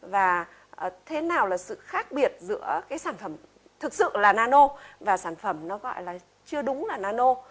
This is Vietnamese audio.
và thế nào là sự khác biệt giữa cái sản phẩm thực sự là nano và sản phẩm nó gọi là chưa đúng là nano